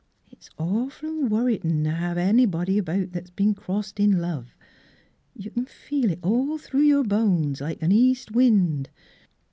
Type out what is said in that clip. It's awful worritin' t' hev anybody about that's been crossed in love. You c'n feel it ail through your bones like an east wind."